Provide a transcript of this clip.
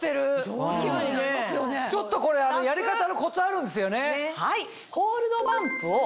ちょっとこれやり方のコツあるんですよね？